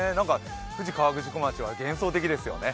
富士河口湖町は幻想的ですよね。